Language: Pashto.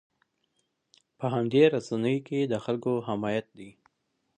په همدې رسنیو کې د خلکو حمایت دی.